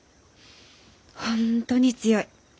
本当に強い！